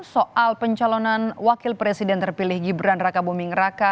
soal pencalonan wakil presiden terpilih gibran raka buming raka